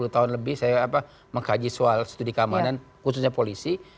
sepuluh tahun lebih saya mengkaji soal studi keamanan khususnya polisi